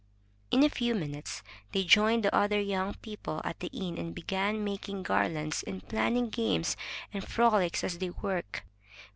In a few minutes, they joined the other yoimg people at the inn, and began making garlands, and planning games and frolics as they worked.